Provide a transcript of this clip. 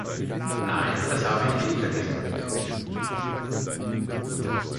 Nein, das habe ich nicht vergessen.